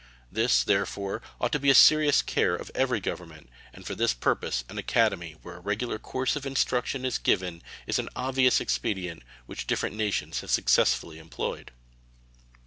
This, therefore, ought to be a serious care of every government, and for this purpose an academy where a regular course of instruction is given is an obvious expedient which different nations have successfully employed.